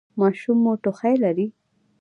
ماشوم مو ټوخی لري؟